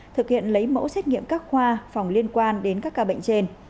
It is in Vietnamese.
thực hiện lấy mẫu xét nghiệm các khoa phòng liên quan đến các ca bệnh trên